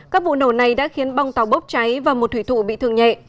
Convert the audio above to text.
các vụ nổ này đã khiến bong tàu bốc cháy và một thủy thủ bị thương nhẹ